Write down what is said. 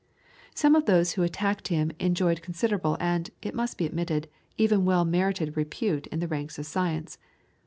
Some of those who attacked him enjoyed considerable and, it must be admitted, even well merited repute in the ranks of science.